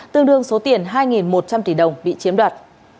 tương đương số tiền hai một trăm linh tỷ đồng bị chiếm đoạt